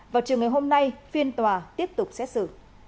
vào chiều ngày hôm nay phiên tòa tiếp tục xét xử